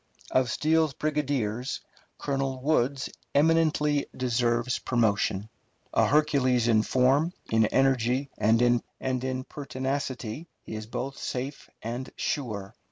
Of Steele's brigadiers, Colonel Woods eminently deserves promotion. A Hercules in form, in energy, and in pertinacity, he is both safe and sure.